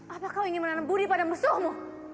apa kau ingin menanam budi pada musuhmu